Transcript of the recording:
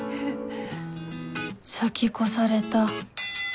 先越された